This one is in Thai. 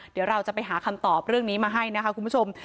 เดี๋ยวเราจะไปหาคำตอบเรื่องนี้มาให้นะคะคุณผู้ชม